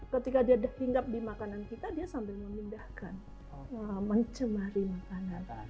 ketika dia hinggap di makanan kita dia sambil memindahkan mencemari makanan